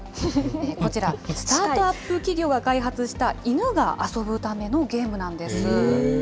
こちら、スタートアップ企業が開発した犬が遊ぶためのゲームなんです。